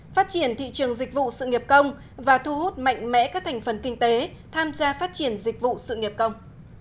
phát triển thị trường dịch vụ sự nghiệp công và thu hút mạnh mẽ các thành phần kinh tế tham gia phát triển dịch vụ sự nghiệp công